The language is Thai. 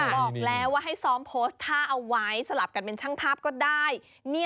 บอกแล้วว่าให้ซ้อมโพสต์ท่าเอาไว้สลับกันเป็นช่างภาพก็ได้